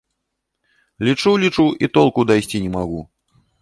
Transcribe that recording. Лічу, лічу і толку дайсці не магу.